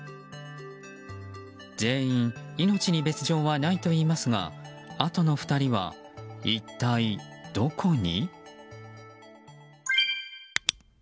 全員命に別条はないといいますがあとの２人は一体どこに？